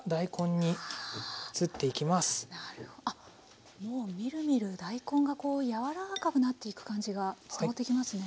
なるほあっもうみるみる大根がこうやわらかくなっていく感じが伝わってきますね。